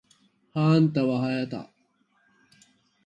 はあんたはやはた